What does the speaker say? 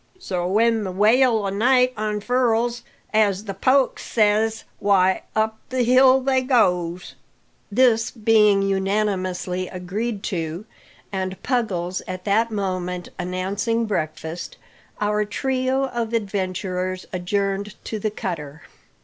So, when the wail o' night unfurls, as the poic says, why, up the hill they goes." This being unanimously agreed to, and Puggles at that moment announcing breakfast, our trio of adventurers adjourned to the cutter.